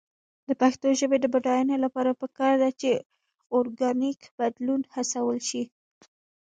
د پښتو ژبې د بډاینې لپاره پکار ده چې اورګانیک بدلون هڅول شي.